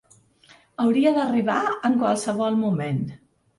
Hauria d’arribar en qualsevol moment.